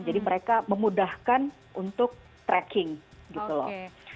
mereka memudahkan untuk tracking gitu loh